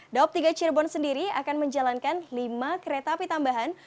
daob tiga cirebon sendiri akan menjalankan lima kereta api tambahan